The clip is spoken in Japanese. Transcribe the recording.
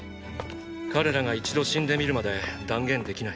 彼らが一度死んでみるまで断言できない！